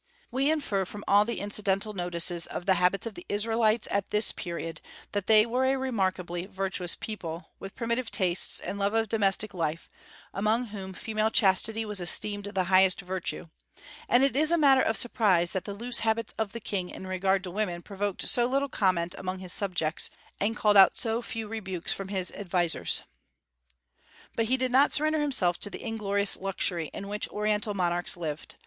We infer from all incidental notices of the habits of the Israelites at this period that they were a remarkably virtuous people, with primitive tastes and love of domestic life, among whom female chastity was esteemed the highest virtue; and it is a matter of surprise that the loose habits of the King in regard to women provoked so little comment among his subjects, and called out so few rebukes from his advisers. But he did not surrender himself to the inglorious luxury in which Oriental monarchs lived.